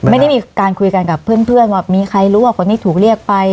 ไม่ได้มีการคุยกันกับเพื่อนว่ามีใครรู้ว่าคนนี้ถูกเรียกไป